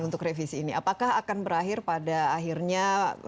untuk revisi ini apakah akan berakhir pada akhirnya